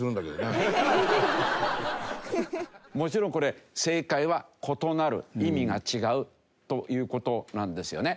もちろんこれ正解は異なる意味が違うという事なんですよね。